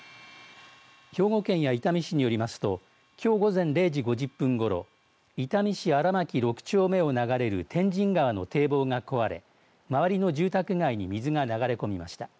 兵庫県や伊丹市によりますときょう午前０時５０分ごろ伊丹市荒牧６丁目を流れる天神川の堤防が壊れ周りの住宅街に水が流れ込みました。